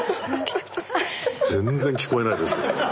全然聞こえないですけどもね。